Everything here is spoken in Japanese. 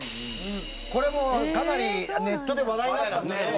これもかなりネットで話題になったんですよね。